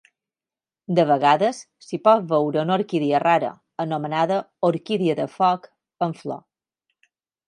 De vegades, s'hi pot veure una orquídia rara, anomenada "orquídia de foc", en flor.